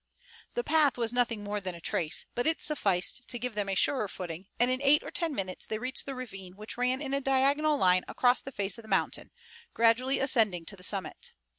The path was nothing more than a trace, but it sufficed to give them a surer footing, and in eight or ten minutes they reached the ravine which ran in a diagonal line across the face of the mountain, gradually ascending to the summit.